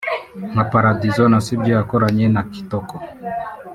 ‘Nka Paradizo’ na ‘Sibyo yakoranye na Kitoko’